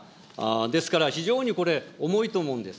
ですから非常にこれ、重いと思うんです。